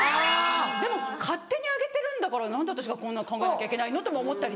でも勝手にあげてるんだから何で私がこんな考えなきゃいけないの？とも思ったりとか。